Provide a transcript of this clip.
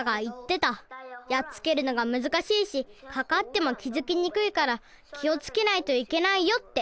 やっつけるのがむずかしいしかかっても気づきにくいから気をつけないといけないよって。